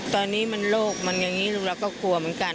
ตอนนี้มันโรคมันอย่างนี้ลูกเราก็กลัวเหมือนกัน